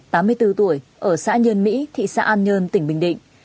tám mươi bốn tuổi ở xã nhân mỹ thị xã an nhơn tỉnh bình định